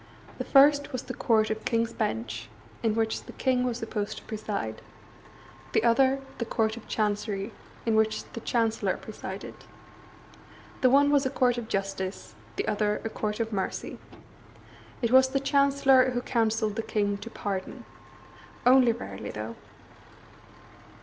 The first was the Court of King's Bench, in which the king was supposed to preside; the second, the Court of Chancery, in which the Chancellor presided. The one was a court of justice, the other a court of mercy. It was the Chancellor who counselled the king to pardon; only rarely, though.